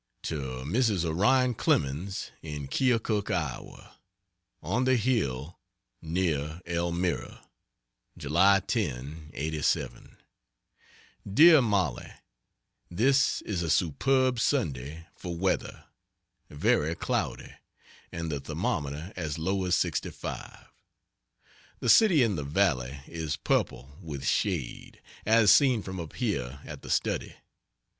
To Mrs. Orion Clemens, in Keokuk, Ia.: ON THE HILL NEAR ELMIRA, July 10, '87. DEAR MOLLIE, This is a superb Sunday for weather very cloudy, and the thermometer as low as 65. The city in the valley is purple with shade, as seen from up here at the study.